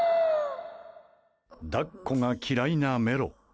抱っこが嫌いなメロ。